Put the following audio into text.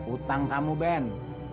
utang kamu ben